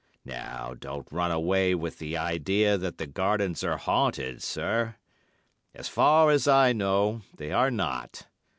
Now don't run away with the idea that the Gardens are haunted, sir. As far as I know, they are not.